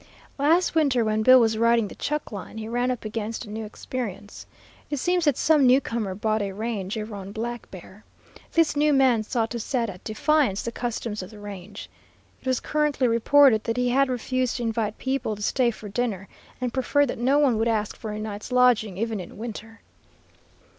"Last winter when Bill was riding the chuck line, he ran up against a new experience. It seems that some newcomer bought a range over on Black Bear. This new man sought to set at defiance the customs of the range. It was currently reported that he had refused to invite people to stay for dinner, and preferred that no one would ask for a night's lodging, even in winter.